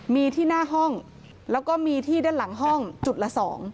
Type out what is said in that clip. มีที่หน้าห้องแล้วก็มีที่ด้านหลังห้องจุดละ๒